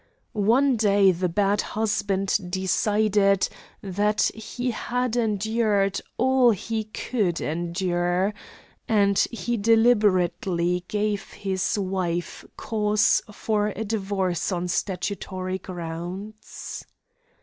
One day the bad husband decided that he had endured all he could endure, and he deliberately gave his wife cause for a divorce on statutory grounds.